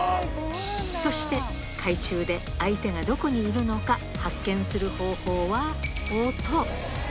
そして、海中で相手がどこにいるのか発見する方法は音。